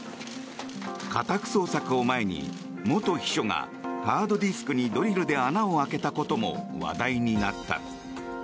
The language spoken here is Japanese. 家宅捜索を前に元秘書がハードディスクにドリルで穴を開けたことも話題になった。